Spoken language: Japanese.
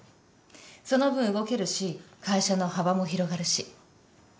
その分動けるし会社の幅も広がるし。